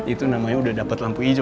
itu namanya udah dapat lampu hijau